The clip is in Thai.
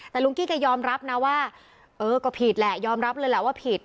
แต่ลุงกี้แกยอมรับนะว่าเออก็ผิดแหละยอมรับเลยแหละว่าผิด